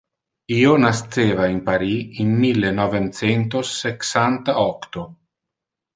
Io nasceva in Paris in mille novem centos sexanta-octo.